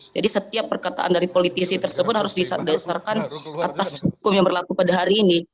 jadi setiap perkataan dari politisi tersebut harus disatakan atas hukum yang berlaku pada hari ini